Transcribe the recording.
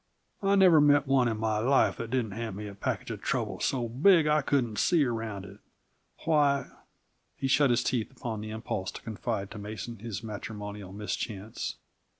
I never met one in my life that didn't hand me a package of trouble so big I couldn't see around it. Why " He shut his teeth upon the impulse to confide to Mason his matrimonial mischance.